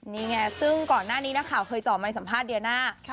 นี่ไงซึ่งก่อนหน้านี้เคยตอบในสัมภาษณ์เดี๋ยน่า